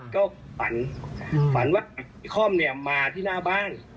ก็ฝันฝันว่าพี่ค่อมเนี่ยมาที่หน้าบ้าน